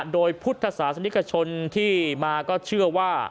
โดยพุทธศาสนิกชนที่มาก็เชื่อว่า